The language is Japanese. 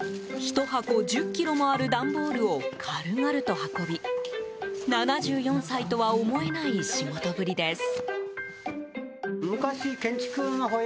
１箱１０ｋｇもあるダンボールを軽々と運び７４歳とは思えない仕事ぶりです。